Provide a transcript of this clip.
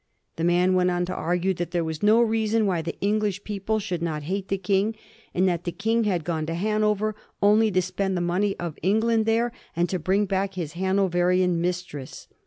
The man went on to argue that there was no reason why the English people should not hate the King, and that the King had gone to Hanover only to spend the money of England there, and to bring back his Hanoverian mistress.